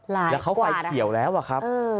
แล้วเขาไฟเขียวแล้วอะครับ